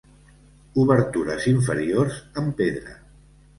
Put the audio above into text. Obertures inferiors amb pedra.